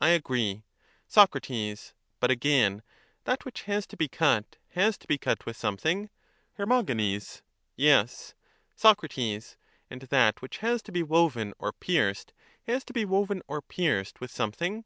I agree. own proper ^^^_ g^^ again, that which has to be cut has to be cut instruments. . with something? Her. Yes. Soc. And that which has to be woven or pierced has to be woven or pierced with something? Her.